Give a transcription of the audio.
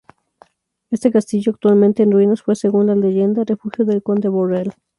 Este castillo, actualmente en ruinas, fue, según la leyenda, refugio del conde Borrell.